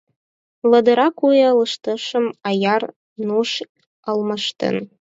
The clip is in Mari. Ладыра куэ лышташым Аяр нуж алмаштен.